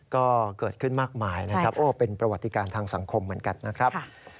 ก็เกิดขึ้นมากมายนะครับโอ้เป็นประวัติการทางสังคมเหมือนกันนะครับ